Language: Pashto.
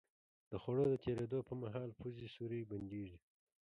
د خوړو د تېرېدو په مهال پوزې سوری بندېږي.